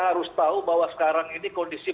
harus tahu bahwa sekarang ini kondisi